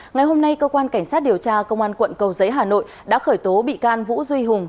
ngày hôm nay cơ quan cảnh sát điều tra công an quận cầu giấy hà nội đã khởi tố bị can vũ duy hùng